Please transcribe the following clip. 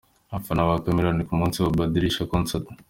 Abafana ba Chameleone ku munsi wa Badilisha Concert.